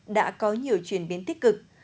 đã có nhiều chuyển biến tích cực